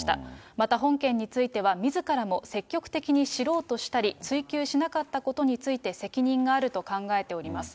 また、本件についてはみずからも積極的に知ろうとしたり、追及しなかったことについて責任があると考えております。